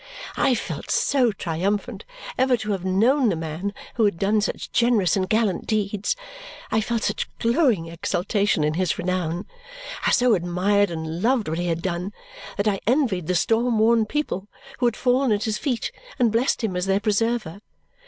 I felt so triumphant ever to have known the man who had done such generous and gallant deeds, I felt such glowing exultation in his renown, I so admired and loved what he had done, that I envied the storm worn people who had fallen at his feet and blessed him as their preserver.